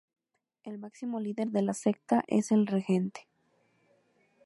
El máximo líder de la secta es el Regente.